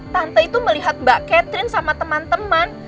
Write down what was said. tante itu melihat mbak catherine sama teman teman